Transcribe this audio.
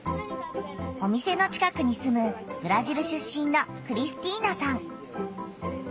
お店の近くに住むブラジル出身のクリスティーナさん。